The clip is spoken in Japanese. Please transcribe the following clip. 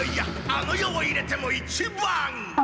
あの世を入れても一番！